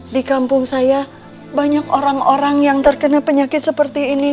di kampung saya banyak orang orang yang terkena penyakit seperti ini